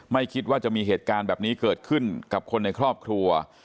ไม่คิดว่าจะมีเหตุการณ์แบบนี้เกิดขึ้นกับคนในครอบครัว